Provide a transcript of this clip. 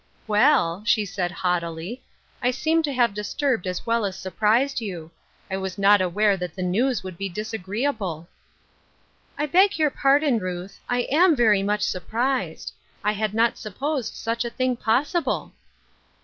" Well," she said haughtily, " I seem to have disturbed as well as surprised you. I was not aware that the news would be disagreeable." " I beg your pardon, Ruth. I am very much surprised. I had not supposed such a thing possible."